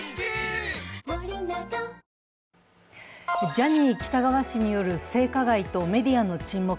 ジャニー喜多川氏による性加害とメディアの沈黙。